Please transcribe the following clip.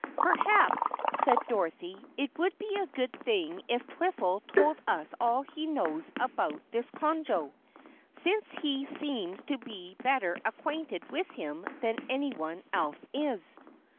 "Perhaps," said Dorothy, "it would be a good thing if Twiffle told us all he knows about this Conjo, since he seems to be better acquainted with him than anyone else is."